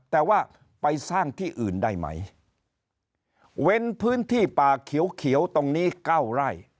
แต่ว่าไปสร้างที่อื่นได้ไหมเว้นพื้นที่ป่าเขียวเขียวตรงนี้เก้าไร่